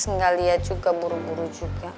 nggak lihat juga buru buru juga